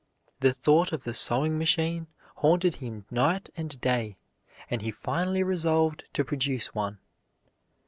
The thought of the sewing machine haunted him night and day, and he finally resolved to produce one.